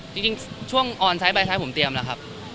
จริงช่วงออนใช้ใบใช้ผมเตรียมแล้วครับ